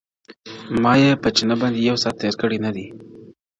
ما يې پء چينه باندې يو ساعت تېر کړی نه دی,